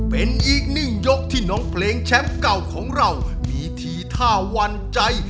เป็นอีกหนึ่งยกที่น้องเพลงแชมป์เก่าของเรามีทีท่าหวั่นใจ